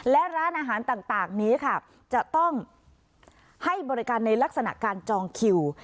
และร้านอาหารต่างนี้ค่ะจะต้องให้บริการในลักษณะการจองคิว